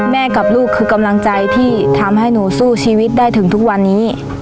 กับลูกคือกำลังใจที่ทำให้หนูสู้ชีวิตได้ถึงทุกวันนี้